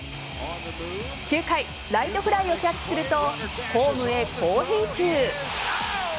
９回、ライトフライをキャッチするとホームへ好返球。